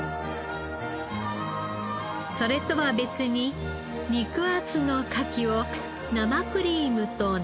それとは別に肉厚のカキを生クリームとなじませ。